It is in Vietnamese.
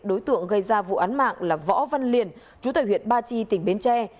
đối tượng gây ra vụ án mạng là võ văn liền chú tại huyện ba chi tỉnh bến tre